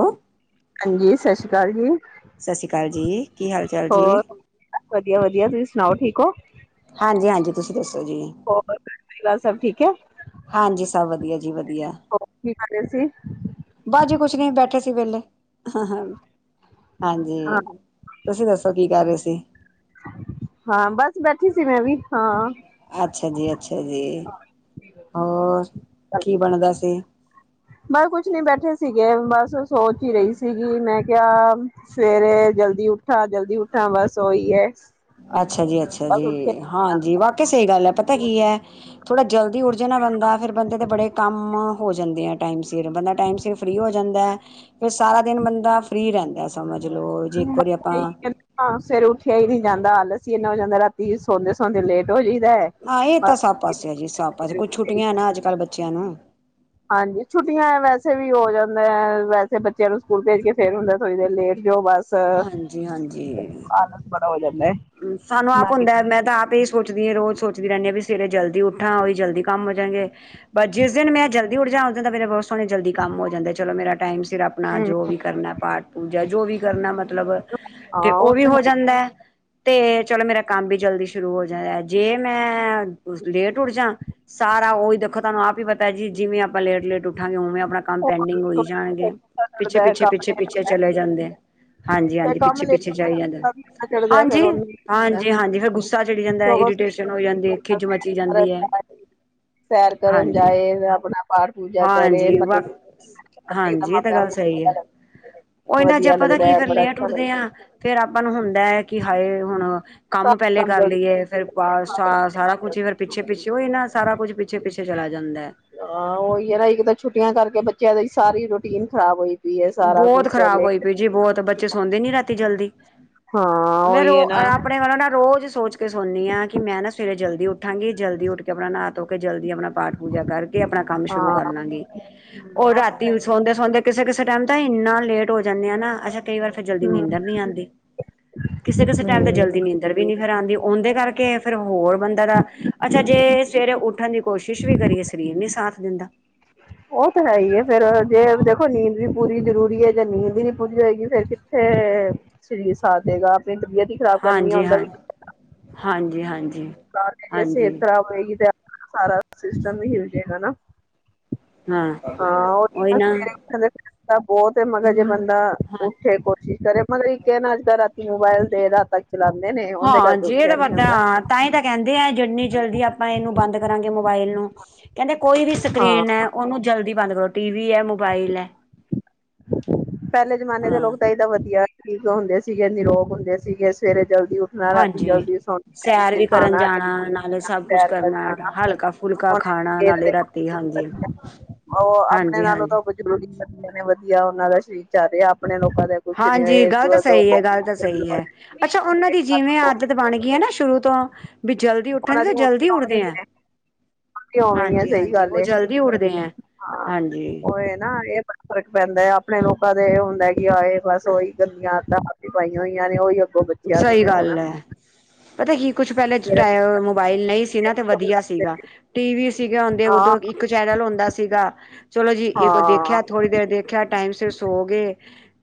Hello, ਹਾਂਜੀ ਸਤਿ ਸ੍ਰੀ ਅਕਾਲ ਜੀ। ਸਤਿ ਸ਼੍ਰੀ ਅਕਾਲ ਜੀ, ਕੀ ਹਾਲ ਚਾਲ ਜੀ? ਹੋਰ ਵਧੀਆ-ਵਧੀਆ ਤੁਸੀਂ ਸੁਣਾਓ ਠੀਕ ਹੋ? ਹਾਂਜੀ-ਹਾਂਜੀ ਤੁਸੀਂ ਦੱਸੋ ਜੀ, ਕਿਉ ਹਾਂਜੀ ਸਭ ਵਧੀਆ ਜੀ, ਜੀ ਵਧੀਆ, ਆ ਰਹੇ ਸੀ। ਬਸ ਜੀੇ ਕੁਛ ਨੀ ਬੈਠੇ ਸੀ ਵੇਲੇ ਹਾਂ ਹਾਂ। ਹਾਂ ਹਾਂਜੀ, ਤੁਸੀਂ ਦੱਸੋ ਕੀ ਕਰ ਰਹੇ ਸੀ। ਹਾਂ ਬਸ ਬੈਠੀ ਸੀ ਮੈਂ ਵੀ ਹਾਂ। ਅੱਛਾ ਜੀ ਅੱਛਾ ਜੀ ਹੋਰ ਕੀ ਬਣਦਾ ਸੀ। ਬਸ ਕੁੱਛ ਨੀ ਬੈਠੇ ਸੀ ਗ ਬਸ ਸੋਚ ਹੀ ਰਹੀ ਸੀਗੀ ਮੈਂ ਕਿਹਾ ਸਵੇਰੇ ਜਲਦੀ ਉੱਠਾ ਜਲਦੀ ਉੱਠਾ ਬਸ ਉਹੀ ਹੈ। ਅੱਛਾ ਜੀ ਅੱਛਾ ਬਸ ਜੀ ਉੱਠਿਆ ਹਾਂ। ਜੀ ਵਾਕਿਆ ਸਹੀ ਗੱਲ ਹੈ ਪਤਾ ਕੀ ਹੈ ਥੋੜਾ ਜਲਦੀ ਉੱਠ ਜਾਣਾ ਬੰਦਾ ਫੇਰ ਬੰਦੇ ਦੇ ਬੜੇ ਕੰਮ ਹੋ ਜਾਂਦੇ ਆ ਟਾਈਮ ਸਿਰ ਬੰਦਾ ਟਾਈਮ ਸਿਰ ਫ੍ਰਰੀ ਹੋ ਜਾਂਦਾ ਹੈ ਫੇਰ ਸਾਰਾ ਦਿਨ ਬੰਦਾ ਫ੍ਰਰੀ ਰਹਿੰਦਾ ਸਮਝ। ਲਓ ਜੇ ਇੱਕ ਵਾਰੀ ਆਪਾਂ ਸਵੇਰੇ ਉੱਠਿਆ ਨੀ ਜਾਂਦਾ ਆਲਸ, ਸੀ ਇੰਨਾ ਹੋ ਜਾਂਦਾ ਰਾਤੀ ਸੌਂਦੇ-ਸੌਂਦੇ ਲੇਟ ਹੋ ਜਾਈ ਆਾ ਇਹ ਤਾਂ ਸੱਬ ਪਾਸੇ ਆ ਜੀ ਸੱਬ ਪਾਸੇ ਕੁੱਛ ਛੁੱਟੀਆਂ ਨਾ ਅੱਜ ਕੱਲ੍ਹ ਬੱਚ ਬੱਚਿਆ ਨੂੰ, ਹਾਂਜੀ, ਛੁੱਟੀਆਂ ਵੈਸੇ ਵੀ ਹੋ ਜਾਂਦਾ ਹੈ ਵੈਸੇ ਬੱਚਿਆਂ ਨੂੰ ਸਕੂਲ ਭੇਜ ਕੇ ਫੇਰ ਹੁੰਦਾ ਥੋੜੀ ਦੇਰ ਲੇਟ ਜੋ ਬਸ ਹਾਂਜੀ-ਹਾਂਜੀ, ਆਲਸ ਬੜਾ ਹੋ ਜਾਂਦਾ ਹੈ ਸਾਨੂੰ ਆਪ ਨਾ ਕਿ ਹੁੰਦਾ ਮੈਂ ਤਾਂ ਆਪ ਹੀ, ਸੋਚਦੀ ਰੋਜ ਸੋਚਦੀ ਰਿੰਹਨੀ ਹਾਂ ਵੀ, ਸਵੇਰੇ ਜਲਦੀ ਉੱਠਾ ਉਹ ਹੀ ਜਲਦੀ। ਕੰਮ ਹੋ ਜਾਣਗੇ। ਬਸ ਜਿਸ ਦਿਨ ਮੈਂ ਜਲਦੀ ਉੱਠ ਜਾ। ਉਹਦਾ ਦਾ ਮੇਰਾ ਬੋਸ। ਉਹਨਾ ਜਲਦੀ ਕੰਮ ਹੋ ਜਾਂਦਾ ਜਦੋਂ ਮੇਰਾ ਟਾਈਮ ਸਿਰ ਆਪਣਾ ਹਮ ਜੋ ਵੀ ਕਰਨਾ ਪਾਠ ਪੂਜਾ ਜੋ ਵੀ। ਕਰਨਾ ਮਤਲਬ ਹਾਂ ਤੇ ਉਹ ਵੀ ਤਾਂ ਹੈ ਹੋ ਹੀ। ਜਾਂਦਾ ਹੈ। ਤੇ ਚਲੋ ਮੇਰਾ ਕੰਮ ਵੀ ਜਲਦੀ ਸ਼ੁਰੂ ਹੋ ਜਾਂਦਾ ਜੇ ਮੈਂ ਕੁਝ ਲੇਟ ਉੱਠ ਜਾ ਸਾਰਾ ਉਹੀ ਦੇਖੋ ਤੁਹਾਨੂੰ ਆਪ ਹੀ ਪਤਾ ਜੀ ਜਿਵੇਂ ਆਪਾਂ ਲੇਟ ਲੇਟ ਉੱਠਾਂਗੇ ਉਵੇਂ ਆਪਾਂ। ਆਪਣਾ ਕੰਮ ਪੈਂਡਿੰਗ ਹੋਈ ਜਾਣਗੇ ਪਿੱਛੇ ਚੜਦਾ ਹੈ ਪਿੱਛੇ ਕੰਮ ਪਿੱਛੇ ਲੇਟ ਪਿੱਛੇ ਹੁੰਦਾ ਚਲੇ ਜਾਂਦੇ। ਹਾਂਜੀ ਫਿਰ ਹਾਂਜੀ ਕੰਮ ਪਿੱਛੇ ਲੇਟ ਪਿੱਛੇ ਜਾਈ ਜਾਂਦਾ ਹੁੰਦਾ ਚੜਦਾ ਫਿਰ ਹਾਂਜੀ ਉਹਨੂੰ ਹਾਂਜੀ ਹਾਂਜੀ ਫਿਰ ਗੁੱਸਾ ਚੜੀ ਜਾਂਦਾ ਸਗੋਂ ਇਰੀਟੇਸ਼ਨ ਹੋ ਜਾਂਦੀ ਖਿਜ ਮਚੀ ਜਾਂਦੀ ਹੈ ਸੈਰ ਕਰਨ ਹਾਂਜੀ ਜਾਏ ਆਪਣਾ ਪਾਠ ਪੂਜਾ ਕਰੇ ਹਾਂਜੀ ਵ ਹਾਂਜੀ ਇੱਕਦਮ ਇਹ ਤਾਂ ਆਪਣੇ ਆਪ ਗੱਲ ਨੂੰ ਸਹੀ ਹੈ ਉਹੀ ਨਾ ਜੇ ਵਧੀਆ ਅਪਾ ਲੱਗਦਾ ਕਈ ਹੈ ਵਾਰ ਬੜਾ ਲੇਟ ਅੱਛਾ ਲੱਗਦਾ ਉੱਠਦੇ ਆ ਫੇਰ ਆਪਾਂ ਨੂੰ ਹੁੰਦਾ ਹੈ ਕਿ ਹਾਏ ਹੁਣ। ਹਾ ਕੰਮ ਸਾਰੇ ਪਹਿਲੇ ਕਰ ਜਲਦੀ ਲਈਏ ਫੇਰ ਬਸ ਸਾਰਾ ਕੁਛ ਫਿਰ ਪਿੱਛੇ ਪਿੱਛੇ ਹੋਏ ਨਾ ਸਾਰਾ ਕੁਛ ਪਿੱਛੇ ਪਿੱਛੇ ਚਲਾ ਜਾਂਦਾ ਹੈ। ਓਹੀ ਸਾਰੀ ਰੂਟੀਨ ਖਰਾਬ ਹੋਈ। ਪਈ ਹੈ ਸਾਰਾ ਕੁਛ ਬਹੁਤ ਖ਼ਰਾਬ ਹੋਈ ਲੇਟ ਪਈ ਜੀ ਬਹੁਤ ਬੱਚੇ ਸੌਂਦੇ ਨੀ ਰਾਤੀ ਜਲਦੀ। ਹਾਂ ਮੈਂ ਰੋ ਉਹੀ ਹੈ ਨਾ ਔਰ ਆਪਣੇ ਵੱਲੋਂ ਨਾਲ ਰੋਜ਼ ਸੋਚ। ਫੇਰ ਸੌਣੀ ਹਾਂ ਕਿ ਮੈਂ ਨਾ ਸਵੇਰੇ ਜਲਦੀ ਉੱਠ। ਠੰਗੀ ਜਲਦੀ ਉੱਠ ਕੇ ਆਪਣਾ ਨਾਂਹ ਧੋ ਕੇ। ਜਲਦੀ ਆਪਣਾ ਪਾਠ ਪੂਜਾ ਕਰਕੇ ਆਪਣਾ ਕੰਮ ਸ਼ੁਰੂ ਹਾਂ ਕਰ ਲਾਂਗੀ ਉਹ ਤਾਂ ਰਾਤੀ ਹੈ ਵੀ ਹੀ, ਸੌਦੇ ਸੌਦੇ ਕਿਸੇ ਕਿਸੇ। ਕਿਸੇ ਟਾਈਮ ਤਾਂ ਇੰਨਾ ਲੇਟ ਹੋ ਜਾਣੇ ਆ ਨਾ ਅੱਛਾ। ਕਈ ਵਾਰ ਫਿਰ ਜਲਦੀ ਹਮ ਨੀਂਦਰ ਨੀ ਆਉਂਦੀ ਕਿਸੇ ਕਿਸੇ ਟਾਈਮ ਤੇ ਹਮ ਜਲਦੀ ਨਿੰਦਰ ਹੂੰ ਵੀ ਨੀ ਫਿਰ ਆਉਂਦੀ। ਉਹਦੇ ਕਰਕੇ ਫਿਰ ਹੋਰ। ਬੰਦੇ ਦਾ ਅੱਛਾ ਜੇ ਸਵੇਰੇ ਉੱਠਣ ਦੀ ਕੋਸ਼ਿਸ਼ ਵੀ ਕਰੀਏ ਸਰੀਰ ਨੀਂ ਸਾਥ। ਦਿੰਦਾ। ਉਹ ਤਾਂ ਹੈ ਹੀ ਫਿਰ ਜੇ ਦੇਖੋ ਨੀਂਦ ਵੀ ਪੂਰੀ ਜ਼ਰੂਰੀ ਹੈ ਜੇ ਨੀਂਦ ਹੀ ਨੀ ਪੂਰੀ ਹੋਏਗੀ ਫਿਰ ਕਿੱਥੇ ਸਰੀਰ ਸਾਥ ਦੇਗਾ। ਆਪਣੀ ਤਬੀਅਤ ਹੀ ਖ਼ਰਾਬ ਕਰਨੀ ਆ ਹਾਂਜੀ ਉਹਦਾ ਹਾਂ ਵੀ। ਹਾਂਜੀ ਹਾਂਜੀ ਨਾਲੇ ਜੇ ਸਿਹਤ ਹਾਂਜੀ ਖਰਾਬ ਹੋਏਗੀ ਤੇ। ਸਾਰਾ ਸਿਸਟਮ ਹਿੱਲ ਜੇ ਗਾ ਨਾ। ਹਾਂ ਉਹੀ ਨਾ ਸਵੇਰੇ ਉੱਠਣ ਦਾ ਤਰੀਕਾ ਬਹੁਤ ਹੈ ਮਗਰ ਜੇ ਬੰਦਾ ਹਾਂ ਉੱਠੇ ਕੋਈ। ਕੀ ਕਰੇ ਪਰ ਇੱਕ ਹੈ ਨਾ ਨਾਲੇ ਰਾਤੀ ਮੋਬਾਇਲ ਦੇਰ ਰਾਤ ਤੱਕ। ਚਲਾਉਂਦੇ ਨੇ ਉਹਦੇ ਹਾਂ ਕਰਕੇ ਜੇ ਉੱਠਿਆ ਤਾਂ ਨੀ ਬੰਦਾ ਜਾਂਦਾ ਤਾਹੀ ਤਾਂ। ਕਹਿੰਦੇ ਹੈ ਜਿੰਨੀ ਜਲਦੀ ਆਪਾਂ ਇਹਨੂੰ ਬੰਦ ਕਰਾਂਗੇ ਮੋਬਾਇਲ ਨੂੰ ਕਹਿੰਦੇ ਕੋਈ ਵੀ ਸਕਰੀਨ ਹਾਂ ਹੈ ਉਹਨੂੰ ਜਲਦੀ। ਬੰਦ ਕਰੋ ਟੀ ਵੀ ਹੈ ਮੋਬਾਈਲ ਹੈ। ਪਹਿਲੇ ਜਮਾਨੇ ਦੇ ਹਾਂ ਲੋਕ ਤਾਂ ਏਦਾਂ ਵਧੀਆ ਠੀਕ ਹੁੰਦੇ ਸੀਗੇ ਨਿਰੋਗ ਹੁੰਦੇ ਸੀਗੇ ਸਵੇਰੇ ਜਲਦੀ ਉੱਠਣਾ ਰਾਤੀ ਹਾਂਜੀ ਜਲਦੀ ਸੋਣਾ ਸੈਰ ਫਿਰ ਵੀ ਕਰਨ ਖਾਣਾ ਜਾਣਾ ਨਾਲੇ ਸਭ ਕੁਛ ਪੈਰ ਕਰ ਕਰਨਾ ਜਾਣਾ ਹਲਕਾ ਫੁਲਕਾ ਖਾਣਾ ਨਾਲੇ ਰਾਤੀ ਹਾਂਜੀ ਉਹ ਆਪਣੇ ਹਾਂਜੀ ਨਾਲੋਂ ਹਾਂਜੀ ਤਾਂ ਬਜ਼ੁਰਗ ਹੀ ਵਧਆ ਨੇ ਵਧੀਆ ਉਹਨਾਂ ਦਾ ਜਾ ਰਿਹਾ ਆਪ ਹਾਂਜੀ ਗਲ ਤਾਂ ਸਹੀ ਹੈ ਗੱਲ ਤਾਂ ਸਹੀ ਹੈ ਅੱਛਾ ਉਹਨਾ ਦੀ ਜਿਵੇਂ ਆਦਤ ਬਣ ਗਈ ਆ ਨਾ ਸ਼ੁਰੂ ਤੋਂ ਵੀ ਜਲਦੀ ਉਠਣ ਦੀ ਉਹਨਾਂ ਤਾਂ ਹੁਣ ਜਲਦੀ ਵੀ ਉੱਡਦੇ ਆਉਂਦੀ ਆ ਹੈ ਉਵੇਂ ਹੀ ਹੈ ਹਾਂਜੀ ਸਹੀ ਹਾਂਜੀ ਗੱਲ ਉਹ ਏ ਜਲਦੀ ਉੱਡਦੇ ਆ ਹਾਂ ਹਾਂਜੀ। ਉਹਏ ਨਾ ਇਹ ਬੜਾ ਫਰਕ ਪੈਂਦਾ ਆ ਆਪ ਆਪਣੇ ਲੋਕਾਂ ਦੇ ਹੁੰਦਾ ਏ ਬਸ ਉਹੀ ਗੰਦੀਆਂ ਆ ਹੱਥ ਪਾਈਆਂ ਹੋਈਆਂ ਨੇ ਉਹੀ ਅੱਗੋਂ ਬੱਚਿਆਂ ਨੂੰ ਸਹੀ ਨੇ ਹੁਣ ਗੱਲ ਹੈ। ਪਤਾ ਕੀ ਕੁਛ ਪਹਿਲੇ ਮੋਬਾਇਲ ਨਹੀਂ ਸੀ ਨਾ ਤੇ ਵਧੀਆ ਸੀਗਾ ਟੀ ਵੀ ਸੀਗੇ ਹਦੇ ਹਾਂ ਉਦੋਂ ਇੱਕ ਚੈਨਲ ਹੁੰਦਾ ਸੀਗਾ ਚਲੋ ਜੀ ਇੱਕੋ ਹਾਂ ਦੇਖਿਆ ਥੋੜੀ ਦੇਰ ਦੇਖਿਆ ਟਾਈਮ ਸ ਸੋ ਗਏ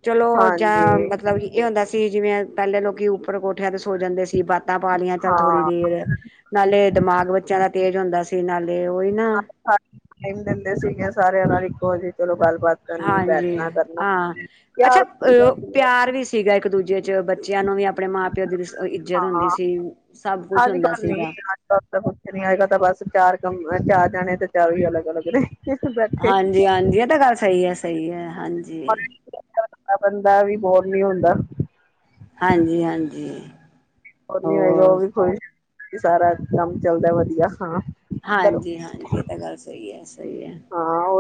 ਚਲੋ ਹਾਂਜੀ ਜਾਂ ਮਤਲਬ ਇਹ ਹੁੰਦਾ ਸੀ। ਜਿਵੇਂ ਪਹਿਲੇ ਲੋਕੀ ਉੱਪਰ ਕੋਠਿਆ ਸੁ ਹੋ ਜਾਂਦੇ ਸੀ ਬਾਤਾਂ ਪਾ ਲਈਆਂ ਚੱਲ ਥੋੜ੍ਹੀ ਹਾਂ ਦੇਰ ਨਾਲੇ ਦਿਮਾਗ ਬੱਚਿਆਂ ਦਾ ਤੇਜ਼ ਹੁੰਦਾ ਸੀ ਨਾਲ ਟਾਈਮ ਦਿੰਦੇ ਸੀਗੇ ਸਾਰਿਆਂ ਨਾਲ ਇੱਕੋ ਜਿ ਚਲੋ ਗ ਹਾਂਜੀ ਹਾਂ ਅੱਛਾ ਯਾਰ ਪਿਆਰ ਵੀ ਸੀਗਾ ਇੱਕ ਦੂਜੇ ਚ ਬੱਚਿਆਂ ਨੂੰ ਵੀ ਆਪਣੇ ਮਾਂ ਪਿਓ ਦੀ ਇੱਜ਼ਤ ਹਾਂ ਹੁੰਦੀ ਸੀ। ਸਭ ਕੁਛ ਅੱਜ ਹੁੰਦਾ ਕੱਲ ਨੀ ਸੀਗਾ ਅੱਜ ਕੱਲ ਤਾਂ ਕੁੱਝ ਨੀ ਆਏਗਾ ਤਾਂ ਬਸ ਚਾਰ ਕਮਰੇ ਚਾਰ ਜਾਣੇ ਤੇ ਚਾਰੋ ਹੀ ਅਲਗ ਅਲਗ ਨੇ। ਬੈਠੇ ਹਾਂਜੀ-ਹਾਂਜੀ। ਇਹ ਤਾਂ ਗੱਲ ਸਹੀ ਹੈ। ਸਹੀ ਏ। ਹਾਂਜੀ। ਬੰਦਾ ਵੀ ਬੋਰ ਨੀ ਹੁੰਦਾ। ਹਾਂਜੀ-ਹਾਂਜੀ। ਉਹ ਨੀ ਹੋਏਗੀ ਉਹ ਵੀ ਕੋਈ ਤੇ ਸਾਰਾ ਕੰਮ ਚੱਲਦਾ ਵਧੀਆ ਹਾਂ। ਹਾਂਜੀ-ਹਾਂਜੀ। ਇਹ ਤਾਂ ਗੱਲ ਸਹੀ ਏ।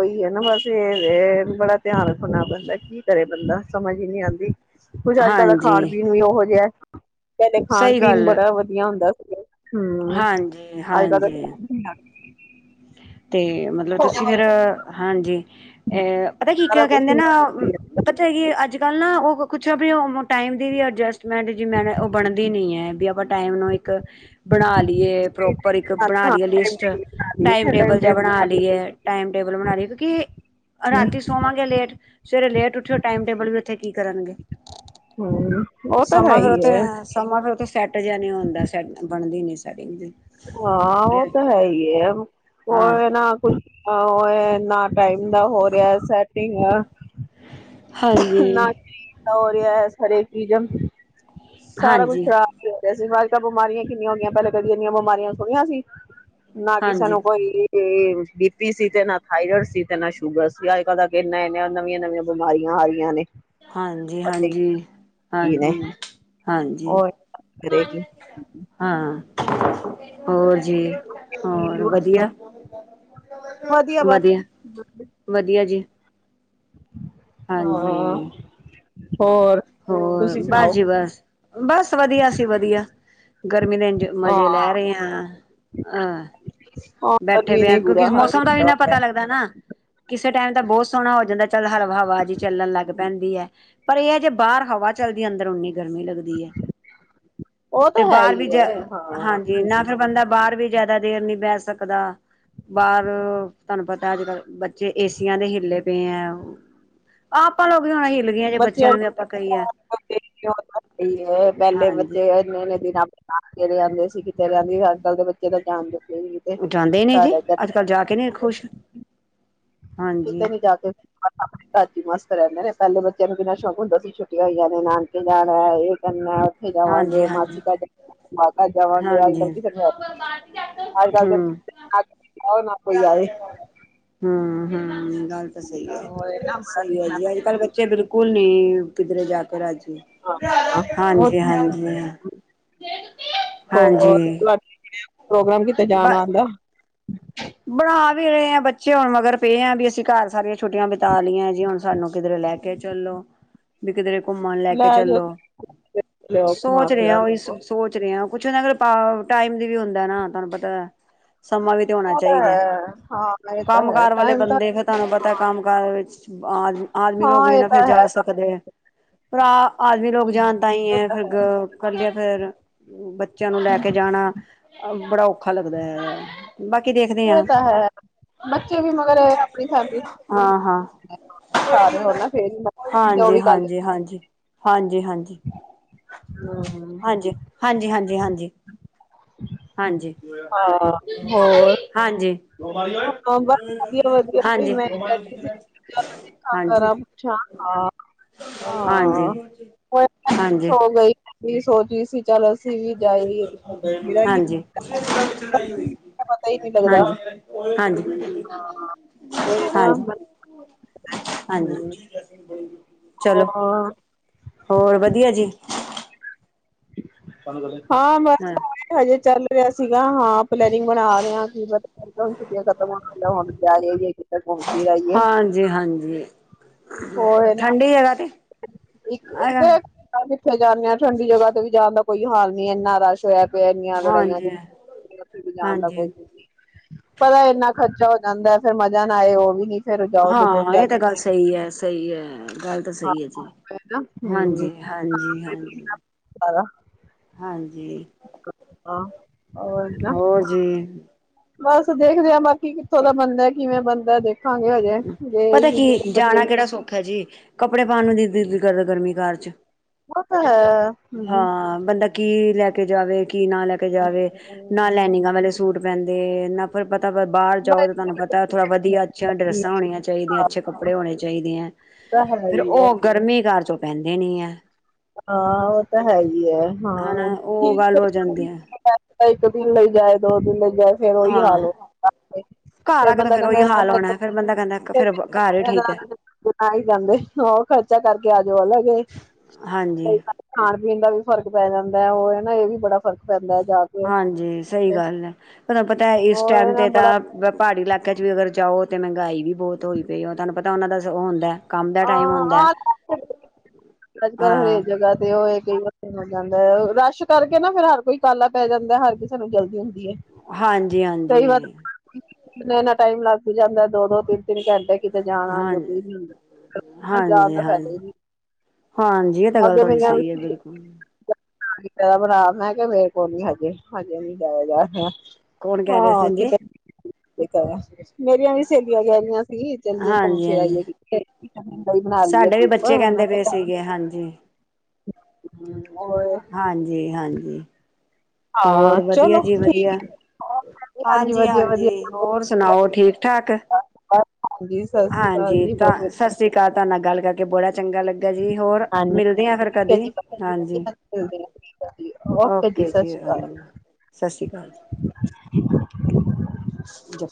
ਹੀ ਹੈ ਨਾ ਬਸ ਇਹ ਬੜਾ ਧਿਆਨ ਰੱਖਣਾ ਪੈਦਾ ਕੀ ਕਰੇ ਬੰਦਾ, ਸਮਝ ਹੀ ਨਹੀਂ ਆਦੀ। ਕੁੱਝ ਅੱਜ ਕੱਲ ਦਾ ਖਾਣ ਹਾਂਜੀ ਪੀਣ ਵੀ ਉਹੋ ਜਿਹਾ ਪਹਿਲੇ ਖਾਣ ਸਹੀ ਪੀਣ ਗੱਲ ਬੜਾ ਵਧੀਆ ਹੁੰਦਾ। ਹੂੰ, ਹਾਂਜੀ ਅੱਜ ਕੱਲ ਹਾਂਜੀ ਤੇ [inaudible] ਤੇ ਮਤਲਬ ਤੁਸੀਂ ਫੇਰ ਹਾਂਜੀ ਅਹ ਪਤਾ ਕੀ ਇੱਕ ਸਾਰਾ ਕੁਛ ਕਹਿੰਦੇ ਨਾ ਹੀ ਹਮ ਪਤਾ ਕਿ ਅੱਜ ਗੱਲ ਨਾ ਉਹ ਕੁਛ ਟਾਈਮ ਦੀ ਵੀ ਅਡਜਸਟਮੈਂਟ ਜਿਵੇ ਉਹ ਬਣਦੀ ਨੀ ਹੈ ਵੀ ਆਪਾਂ ਟਾਈਮ ਨੂੰ ਇੱਕ ਬਣਾ ਲਿਆ ਏ ਪਰੋਪਰ ਇਕ ਬਣਾ ਲਈਏ ਲਿਸਟ ਟਾਈਮ ਟੇਬਲ, ਬਣਾ ਲਈਏ ਟੈਮ, ਟੇਬਲ ਬਣਾ ਰਹੀ ਕਿਉਂਕਿ ਰਾਤੀ ਸੋਵਾਂਗੇ ਲੇਟ ਸਵੇਰੇ ਲੇਟ ਉੱਠੀਓ ਟਾਈਮ ਟੇਬਲ ਵੀ ਉੱਥੇ ਕੀ ਕਰਨਗੇ। ਹੂੰ, ਉਹ ਤਾਂ ਹੈ ਹੀ ਏ। ਸੈਟ ਜਿਹਾ ਨਹੀਂ ਹੁੰਦਾ ਸੈਟ ਬਣਦੀ ਨਹੀਂ ਸੈਟਿੰਗ ਜੀ, ਹਾਂ ਉਹ ਤਾਂ ਹੈ ਹੀ ਏ [unintelligible] ਹਾਂ [unintelligible] ਟਾਈਮ ਦਾ ਹੋ ਰਿਹਾ ਸੈਟਿੰਗ, ਆ, [unintelligible] ਹਾਂਜੀ [unintelligible] ਸਾਰਾ ਕੁੱਛ ਹਾਂਜੀ ਖ਼ਰਾਬ ਹੋ, ਤੇ ਅਸੀਂ ਅੱਜ ਕਲ ਬਿਮਾਰੀਆਂ ਕਿਨੀਆਂ ਹੁੰਦੀਆਂ ਪਹਿਲੇ ਕਦੀ ਐਨੀਆ ਬਿਮਾਰੀਆਂ ਸੁਣਿਆਂ ਸੀ। ਨਾ ਕਿ ਹਾਂਜੀ ਸਾਨੂੰ ਕੋਈ, ਤੇ ਬੀ ਪੀ ਸੀ ਤੇ ਨਾ ਥਾਈਰੋਇਡ ਸੀ ਤੇ ਨਾ ਸ਼ੂਗਰ ਸੀ ਅੱਜ ਕੱਲ੍ਹ ਇਹ ਇਨੀਆ ਨਵੀਆਂ-ਨਵੀਆਂ, ਬਿਮਾਰੀਆਂ ਆ ਗਈਆਂ ਨੇ, ਹਾਂਜੀ ਪਤਾ ਹੀ ਹਾਂਜੀ ਕੀ ਨੇ ਹਾਂਜੀ ਹਾਂਜੀ ਉਹ ਕਰੇਗੀ ਹਾਂ, ਹੋਰ ਜੀ, ਹੋਰ ਵਧੀਆ ਵਧੀਆ ਵਧੀਆ ਜੀ, ਹਾਂਜੀ, ਹਾਂ ਹੋਰ ਤੁਸੀਂ ਸੁਣਾਓ [unintelligible] ਮਿਨਜ ਮਜ਼ੇ ਹਾਂ ਲੈ ਰਹੇ ਹਾਂ। ਹਾਂ। ਹਾਂ ਬੈਠੇ ਗਰਮੀ ਪਏ ਨੇ ਕਿਉਂਕਿ ਬੁਰਾ ਹਾਲ ਮੌਸਮ ਦਾ ਵੀ ਕੀਤਾ ਇੰਨਾ ਹੋਇਆ ਪਤਾ ਲੱਗਦਾ ਨਾ ਕਿਸ ਟਾਇਮ ਬਹੁਤ ਸੋਹਣਾ ਹੋ ਜਾਂਦਾ। ਚੱਲ ਹਰ ਹਵਾ ਜੀ ਚੱਲਣ ਲੱਗ ਪੈਂਦੀ ਹੈ ਪਰ ਇਹ ਜੇ ਪਾਰ। ਹਵਾ ਚਲਦੀ ਅੰਦਰ ਉਨੀ ਗਰਮੀ ਲੱਗਦੀ ਹੈ ਉਹ ਤਾਂ ਤੇ ਹੈ ਬਾਹਰ ਵੀ ਹੀ ਹੈ ਹਾਂ ਹਾਂਜੀ ਨਾ ਫਿਰ ਬੰਦਾ ਬਾਹਰ ਵੀ ਜਿਆਦਾ ਦੇਰ ਨੀ ਬਹਿ ਸਕਦਾ ਬਾਹਰ ਤੁਹਾਨੂੰ ਪਤਾ ਅੱਜ ਕੱਲ ਜੇ ਏਸੀਆਂ ਦੇ ਹਿੱਲੇ ਬੱਚਿਆਂ [unintelligible] [unintelligible] ਪਹਿਲੇ ਹਾਂਜੀ। ਬੱਚੇ ਇਨੇ ਇਨੇ ਆਪਣੇ ਘਰੇ ਆਉਂਦੇ ਸੀ। [unintelligible] ਉਹ ਜਾਂਦੇ ਨੇ ਜੇ ਸਾਡਾ ਅੱਜ ਕੱਲ੍ਹ ਜਾ ਕੇ ਨੇ ਖੁਸ਼ ਕਿਤੇ ਹਾਂਜੀ ਨੀ ਜਾ ਕੇ ਰਾੀ ਮਾਸ ਕਰੈ। [unintelligible] ਪਹਿਲੇ ਬੱਚਿਆਂ ਨੂੰ ਕਿੰਨਾ ਸ਼ੌਕ ਹੁੰਦਾ ਸੀ ਛੁੱਟੀਆਂ ਹੋਈਆ ਨੇ ਨਾਨਕੇ ਜਾਣਾ ਇਹ ਕਰਨਾ ਥੇ ਹਾਂਜੀ ਜਾਵਾਂਗੇ ਹਾਂਜੀ। ਮਾਸੀ ਘਾਂਗੇ ਮਾਂ ਘਰ ਜਾਵਾਂਗੇ ਅੱਜ ਕੱਲ ਹਾਂਜੀ ਕਿਸੇ ਅੱਜ ਕੱਲ ਦੇ ਹਮ। [unintelligible] ਹਮ। ਹਾਂ ਹਾਂ। [unintelligible] ਗੱਲ ਤਾਂ ਸਹੀ ਹੈ ਸਹੀ ਹੈ ਜੀ ਅੱਜ ਕੱਲ ਬੱਚੇ ਬਿਲਕੁਲ ਨਹੀ- ਕਿੱਧਰੇ ਜਾ। [unintelligible] ਹਾਂ ਹਾਂਜੀ ਹਾਂਜੀ ਹੋਰ ਹਾਂਜੀ। ਤੁਹਾਡੇ ਪ੍ਰੋਗਰਾਮ ਕੀਤੇ ਜਾਣ ਬ ਆਉਂਦਾ। ਹਮ। ਬਣਾ ਵੀ ਰਹੇ ਆ ਬੱਚੇ ਹੁਣ ਮਗਰ ਪਏ ਆ ਵੀ ਅਸੀਂ ਘਰ ਸਾਰੇ ਛੁੱਟੀਆਂ ਬਿਤਾ ਲਈਆਂ ਜੀ ਹੁਣ ਸਾਨੂੰ ਕਿਧਰੇ ਲੈ ਕੇ ਚੱਲੋ। ਬਕਦੇ। [unintelligible] ਘੁੰਮਣ ਲੈ ਕੇ ਚਲੋ ਲਿਆਓ ਘੁਮਾ ਸੋਚ ਫਿਰਾ ਰਿਹਾ ਉਹੀ ਲਿਆਓ। ਸੋਚ ਰਿਹਾ। ਕੁਛ ਹੁੰਦਾ ਅਗ ਟਾਈਮ ਦੀ ਵੀ ਹੁੰਦਾ ਨਾ ਤੁਹਾਨੂੰ ਪਤਾ ਸਮਾਂ ਵੀ [unintelligible] ਉਹ ਤਾਂ ਹੈ ਹਾਂ ਇਹ ਤਾਂ ਕੰਮ ਹੈ ਕਾਰ ਵਾਲੇ ਟਾਈਮ ਤਾਂ ਬੰਦੇ ਫਿਰ ਤੁਹਾਨੂੰ ਪਤਾ ਕੰਮ ਕਾਰ ਵਿੱਚ ਬਾਦ। [unintelligible] ਆਦਮੀ ਲੋਕ ਹਾਂ ਹੀ ਇਹ ਨਾ ਤਾਂ ਫਿਰ ਹੈ ਜਾ ਸਕਦੇ ਹੈ ਭਰਾ ਆਦਮੀ ਲੋਕ ਜਾਣ ਤਾਂ ਹੀ ਹੈ ਫਿਰ ਇਕੱਲੇ ਫੇਰ ਬੱਚਿਆਂ ਨੂੰ ਲੈ ਕੇ ਜਾਣਾ ਬੜਾ ਔਖਾ ਲੱਗਦਾ ਹੈ ਬਾਕੀ ਦੇਖਦੇ ਇਹ ਹਾਂ ਤਾਂ ਹੈ ਬੱਚੇ ਵੀ ਮਗਰ ਆਪਣੀ ਫੈਮਲੀ ਸ ਹੋ ਹਾਂ ਹਾਂ। ਫਰ ਉਹ ਹਾਂਜੀ, ਵੀ ਗੱਲ। ਹਾਂਜੀ, [unintelligible] ਹਾਂਜੀ ਹਾਂਜੀ। ਹੂੰ ਹਾਂਜੀ ਹਾਂਜੀ ਹਾਂਜੀ। ਹਾਂਜੀ ਹਾਂਜੀ। ਹਾਂ ਹੋਰ? ਹਾਂਜੀ, ਹਾਂ ਬਸ ਵਧੀ [unintelligible] ਆ ਵਧੀਆ ਹਾਂਜੀ, ਹਾਂਜੀ। ਮੈਂ ਬੈਠੀ ਸੀ ਹਾਂਜੀ, ਕਰ ਹਾਂ ਹਾਂਜੀ। ਹਾਂਜੀ, ਗਈ। ਵੀਹ ਸੌ ਚੀ ਸੀ। [unintelligible] ਚੱਲ ਅਸੀਂ ਵੀ ਜਾਏ ਪਤਾ ਹਾਂਜੀ, ਹੀ ਨਹੀਂ ਲੱਗਦਾ। ਹਾਂਜੀ ਕੋਈ ਨਾ ਹਾਂਜੀ ਹਾਂਜੀ। ਹੋ। [inaudible] ਚਲੋ ਹੋਰ ਵਧੀਆ ਜੀ। ਹਾਂ ਬਸ ਆ ਹਜੇ ਚੱਲ। [unintelligible] ਰਿਹਾ ਸੀ। ਹਾਂ, ਪਲੈਨਿੰਗ ਬਣਾ ਰਹੇ ਆਂ, ਛੁੱਟੀਆਂ ਖਤਮ ਹੋਣ ਤੇ ਆਂਈਆਂ ਹੁਣ ਜਾ ਕੇ ਕਿਥੇ ਘੁੰਮ ਕੇ ਆਇਏ, ਹਾਂਜੀ, ਹਾਂਜੀ, ਔ ਹੀ ਨਾ ਠੰਡੀ ਜਗ੍ਹਾ ਤੇ ਇੱਕ ਹੈਗਾ, ਦੇ। ਉੱਥੇ ਜਾਂਦੇ ਹਾਂ ਠੰਡੀ ਜਗ੍ਹਾ ਤੇ ਵੀ ਜਾਣ ਕੋਈ ਹਾਲ ਨਹੀਂ, ਇੰਨਾ ਰਸ਼ ਹੋਇਆ। ਇੰਨੀਆਂ ਲੜਾਈਆਂ ਹਾਂਜੀ। ਉਥੇ ਵੀ ਜਾਣ ਦਾ ਹਾਂਜੀ, ਕੋਈ, ਪਤਾ ਐ, ਇੰਨਾ ਖਰਚਾ ਹੋ ਜਾਂਦਾ। ਫੇਰ ਮਜ਼ਾ ਨਾ ਆਏ ਔ ਵੀ ਨ ਹਾਂ ਇਹ ਤੇ ਗੱਲ ਸਹੀ ਹੈ, ਸਹੀ ਹੈ ਗੱਲ ਤਾਂ ਸਹੀ ਹੈ ਜੀ, ਨਾ ਹੂੰ ਹਾਂਜੀ ਹਾਂਜੀ ਹਾਂਜੀ ਹਾਂਜੀ। ਹਾਂ ਹੋਰ ਨਾ ਹੋਰ ਜੀ। ਬਸ ਦੇਖਦੇ ਹਾਂ ਬਾਕੀ ਕਿੱਥੋਂ ਦਾ ਬੰਦਾ ਕਿਵੇਂ ਬਣਦਾ ਦੇਖ ਪਤਾ ਕੀ ਐ, ਜਾਣਾ ਵੀ ਕਿਹੜਾ ਸੌਖਾ ਹੈ ਜੀ, ਕੱਪੜੇ ਪਾਉਣ ਨੂੰ ਨਈ ਦਿਲ ਕਰ ਗਰਮੀ ਘਰ ਚ। ਉਹ ਤਾਂ ਹੈ, ਹਾਂਜੀ ਹਾਂ ਬੰਦਾ ਕੀ ਲੈ ਕੇ ਜਾਵੇ। ਕੀ ਨਾ ਲੈ ਕੇ ਜਾਵੇ, ਨਾ ਉਹ ਲਾ ਇਨੀਂਗਾ ਵਾਲੇ ਸੂਟ ਪਹਿੰਦੇ ਨਾ ਫਿਰ ਪਤਾ ਬਾਹਰ ਜਾਓ ਤਾਂ ਤੁਹਾਨੂੰ ਪਤਾ ਥੜਾ ਵਧੀਆ ਅਛੀਆਂ ਡਰੱਸਸ ਚਾਹੀਦੀਆਂ, ਅੱਛੇ ਕੱਪੜੇ ਹੋਣੇ ਚਾਹੀਦੇ ਹੈ, ਤਾਂ ਹੈ ਫੇਰ ਹੀ ਹੈ ਉਹ ਗਰਮੀ ਘਰ, ਤੋਂ ਪੈਂਦੇ ਨੀ ਹੈ, ਹਾਂ ਉਹ ਤਾਂ ਹੈ ਹੀ ਹੈ, ਹਾਂ ਹਨਾ ਉਹ ਗੱਲ ਹੋ ਜਾਂਦੀ ਹੈ ਇੱਕ ਦਿਨ ਲਈ ਜਾਏ ਦੋ, [unintelligible] ਫੇਰ ਉਹੀ ਹਾਂ ਹਾਲ ਹੋ ਘਰ ਫੇਰ ਆ ਕੇ ਤਾਂ ਬੰਦਾ ਫੇਰ ਕਹਿੰਦਾ, ਉਹੀ ਹਾਲ ਏਦੇ ਹੋਣਾ ਫਿਰ ਬੰਦਾ ਕਹਿੰਦਾ ਫਿਰ ਘਰ ਹੀ ਠੀਕ ਹੈ ਨਾਲੋ ਤੇ ਨਾ ਹੀ ਜਾਂਦੇ, ਹੋਰ ਖਰਚਾ ਕਰਕੇ ਜੋ ਅਲੱਗ ਹੈ। ਹਾਂਜੀ ਖਾਣ ਪੀ ਦਾ, ਵੀ ਫ਼ਰਕ ਪੈ ਜਾਂਦਾ, ਉਹ ਨਾ ਇਹ ਵੀ ਬੜਾ ਫਰਕ ਪੈਂਦਾ। ਜਾ ਕੇ ਹਾਂਜੀ ਸਹੀ ਉੱਥੇ, ਗੱਲ ਹੈ, ਤੁਹਾਨੂੰ ਪਤਾ ਇਸ ਉਹ ਟਾਈਮ ਨਾ ਤੇ ਬੜਾ ਤਾਂ ਪਹਾੜੀ ਇਲਾਕਿਆਂ ਚ ਵੀ ਅਗਰ ਜਾਓ, ਤੇ ਮਹਿੰਗਾਈ ਵੀ ਬਹੁਤ ਹੋਈ ਪਈ ਉਹ ਤੁਹਾਨੂੰ ਪਤਾ ਉਹਨਾਂ ਦਾ ਉਹ ਹੁੰਦਾ। ਕੰਮ ਦਾ ਟਾਈਮ ਹੁੰਦਾ। ਆ ਅੱਜ ਕੱਲ੍ਹ ਹਾਂ ਹਰੇਕ ਜਗ੍ਹਾ ਤੇ ਔ ਐ। ਕਈ ਵਾਰ ਹੋ ਜਾਂਦਾ, ਰਸ਼ ਕਰਕੇ ਨਾ ਫੇਰ ਹਰ ਕੋਈ ਕਾਲਾ ਪੈ ਜਾਂਦਾ, ਹਰ ਕਿਸੇ ਨੂੰ ਜਲਦੀ ਹੁੰਦੀ। ਹੈ ਹਾਂਜੀ ਹਾਂਜੀ, ਕਿੰਨਾ ਇੰਨਾ ਟਾਈਮ ਲੱਗ ਹੀ ਜਾਂਦਾ ਦੋ-ਦੋ, ਤਿੰਨ-ਤਿੰਨ ਘੰਟੇ, ਕਿਤੇ ਜਾਣਾ ਹਾਂ ਜੋਗੇ ਜਾਣ ਹਾਂਜੀ ਦਾ ਫਾਇਦਾ ਹਾਂਜੀ ਹੀ, ਹਾਂਜੀ ਇਹ ਤਾਂ ਤਾਹਾਡੀ ਗੱਲ ਸਹੀ ਹੈ ਬਿਲਕੁਲ, ਭਰਾ ਮੈਂ ਕੇ ਮੇਰੇ ਕੋਲ ਨ ਹਜੇ ਹਜੇ ਨੀ ਜਾਇਆ ਜਾ ਰਿਹਾ ਕੌਣ ਕਹਿ ਰਿਹੇ ਸੀ ਜੀ, ਤੇ ਕਰਾ ਮੇਰੀਆਂ ਵੀ ਸਹੇਲੀਆਂ ਕਹਿ ਰਹੀਆਂ ਸੀ ਚੱਲਏ ਘੁੰਮ ਹਾਂਜੀ ਫਿਰ ਹਾਂਜੀ ਆਈਏ ਬਣਾ ਲਈਏ ਟ੍ਰਿਪ ਮੈ ਕਿਹਾ, ਠੀਕ ਹੈ ਹਾਂਜੀ, ਹੂੰ ਹਾਂਜੀ ਹਾਂਜੀ, ਹਾਂ ਹੋਰ ਵਧੀਆ ਚਲੋ ਜੀ ਠੀਕ ਵਧੀਆ ਹੈ ਹਾਂਜੀ ਵਧੀਆ ਵਧੀਆ ਹਾਂਜੀ ਹੋਰ ਸੁਣਾਓ ਠੀਕ ਠਾਕ ਹਾਂਜੀ ਸਤਿ ਸ੍ਰੀ ਅਕਾਲ ਹਾਂਜੀ ਜੀ ਤਾਂ ਬਹੁਤ ਵਧੀਆ ਸਤਿ ਸ੍ਰੀ ਅਕਾਲ ਤੁਹਾਡੇ ਨਾਲ ਗੱਲ ਕਰਕੇ ਬੜਾ ਚੰਗਾ ਲੱਗਾ ਜੀ ਹੋਰ ਹਾਂਜੀ ਮਿਲਦੇ ਆ ਫਿਰ ਠੀਕ ਹੈ ਕਦੀ ਜੀ ਹਾਂਜੀ ਮਿਲਦੇ ਓਕੇ ਸਤਿ ਜੀ ਸ਼੍ਰੀ ਅਕਾਲ ਸਤ ਸ੍ਰੀ ਅਕਾਲ ਜੀ,